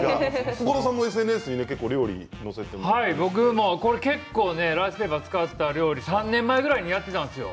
コカドさんもＳＮＳに僕も結構ライスペーパーを使った料理３年前くらいにやっていたんですよ。